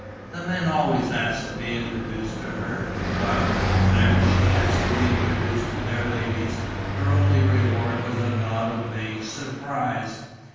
The men always asked to be introduced to her; but, whenever she asked to be introduced to their ladies, her only reward was a nod of vague surprise.